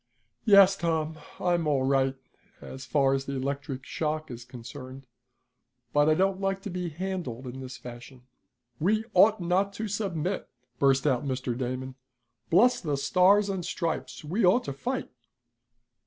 "Yes, Tom, I'm all right as far as the electric shock is concerned, but I don't like to be handled in this fashion." "We ought not to submit!" burst out Mr. Damon. "Bless the stars and stripes! We ought to fight."